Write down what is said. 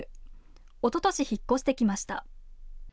おととし、引っ越してきました。